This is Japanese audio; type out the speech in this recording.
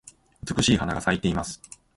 美しい花が咲いています。